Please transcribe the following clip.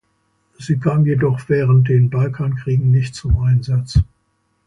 Sie kam jedoch während den Balkankriegen nicht zum Einsatz.